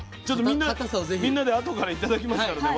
みんなであとから頂きますからね。